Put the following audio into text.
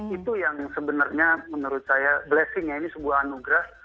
itu yang sebenarnya menurut saya blessingnya ini sebuah anugerah